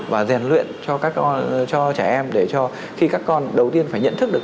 và rèn luyện cho trẻ em để cho khi các con đầu tiên phải nhận thức được